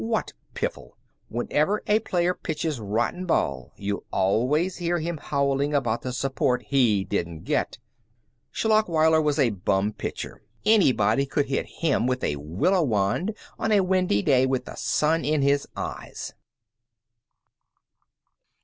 "What piffle! Whenever a player pitches rotten ball you'll always hear him howling about the support he didn't get. Schlachweiler was a bum pitcher. Anybody could hit him with a willow wand, on a windy day, with the sun in his eyes."